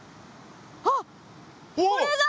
ああこれだ！